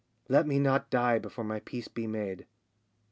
Let me not die before my peace be made!